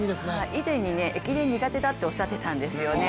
以前に駅伝苦手だとおっしゃっていたんですよね。